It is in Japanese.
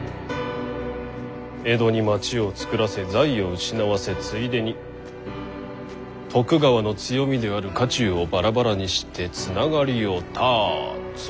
江戸に町を作らせ財を失わせついでに徳川の強みである家中をバラバラにしてつながりを断つ。